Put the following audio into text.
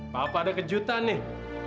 papa ada kejutan nih